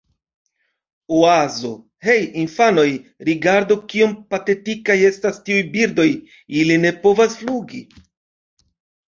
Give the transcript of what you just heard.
Oazo: "Hej infanoj, rigardu kiom patetikaj estas tiuj birdoj. Ili ne povas flugi."